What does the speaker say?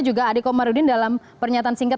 juga adhiko marudin dalam pernyataan singkat